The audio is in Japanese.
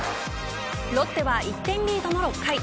ロッテは１点リードの２回。